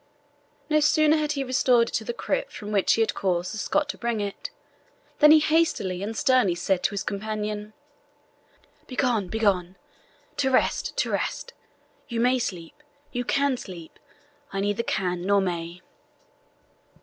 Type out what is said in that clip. No sooner had he restored it to the crypt from which he had caused the Scot to bring it, than he said hastily and sternly to his companion; "Begone, begone to rest, to rest. You may sleep you can sleep I neither can nor may."